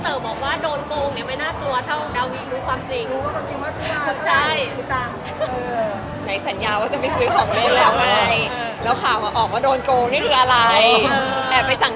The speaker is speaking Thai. เห็นพี่เต๋อบอกว่าโดนโกงเนี่ยไม่น่ากลัวเท่าดังนี้รู้ความจริง